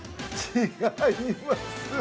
違います。